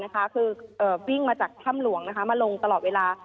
คือวิ่งมาจากถ้ำหลวงมาลงตลอดเวลา